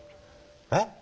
えっ？